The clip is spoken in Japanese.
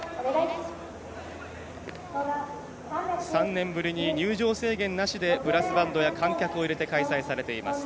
３年ぶりに入場制限なしにブラスバンドや観客を入れて開催されています。